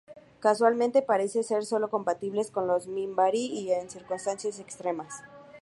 Casualmente parecen ser solo compatibles con los minbari, y en circunstancias extremas.